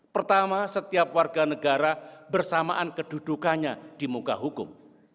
pertama setiap warga negara bersamaan kedudukannya di muka hukum